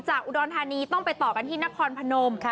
อุดรธานีต้องไปต่อกันที่นครพนม